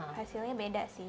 lihat hasilnya beda sih